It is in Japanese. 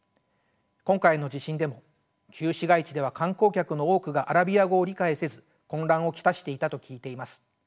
今回の地震でも旧市街地では観光客の多くがアラビア語を理解せず混乱を来していたと聞いています。